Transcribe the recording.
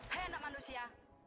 hei anak manusia